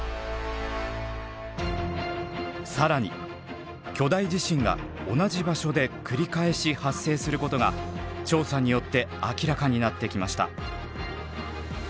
更に巨大地震が同じ場所で繰り返し発生することが調査によって明らかになってきました。